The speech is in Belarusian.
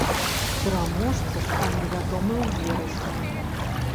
Пераможца стане вядомы ў верасні.